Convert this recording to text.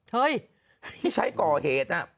เฮ้ยที่ใช้ก่อเหตุน่ะ